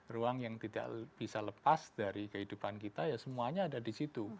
ruang yang tidak bisa lepas dari kehidupan kita ya semuanya ada di situ